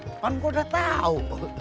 kan gue udah tau